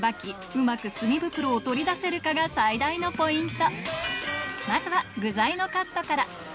うまくスミ袋を取り出せるかが最大のポイント